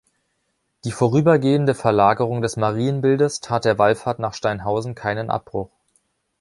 Die vorübergehende Verlagerung des Marienbildes tat der Wallfahrt nach Steinhausen keinen Abbruch.